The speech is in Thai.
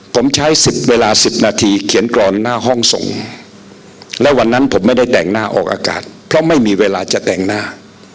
ผมใช้๑๐เวลาสิบนาทีเขียนกรอนหน้าห้องส่งและวันนั้นผมไม่ได้แต่งหน้าออกอากาศเพราะไม่มีเวลาจะแต่งหน้า